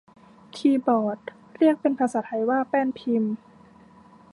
คีย์บอร์ดเรียกเป็นภาษาไทยว่าแป้นพิมพ์